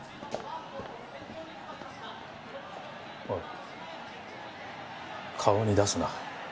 おい顔に出すな。